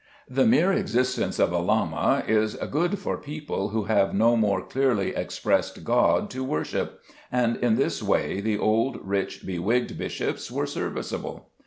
The mere existence of a Llama is good for people who have no more clearly expressed God to worship, and in this way the old, rich, bewigged bishops were serviceable.